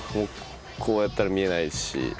こうやったら見えないですし。